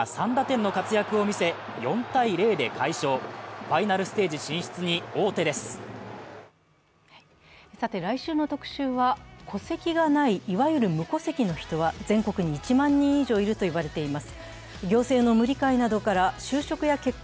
打撃ではウィーラーが３打点の来週の特集は、戸籍がない、いわゆる無戸籍の人は全国に１万人以上いると言われています。